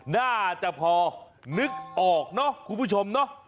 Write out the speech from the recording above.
น่าจะพอนึกออกเนอะคุณผู้ชมเนาะ